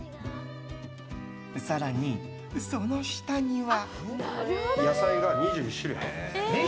更に、その下には。